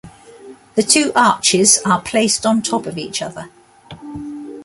The two arches are placed on top of each other.